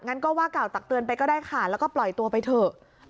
งั้นก็ว่ากล่าวตักเตือนไปก็ได้ค่ะแล้วก็ปล่อยตัวไปเถอะ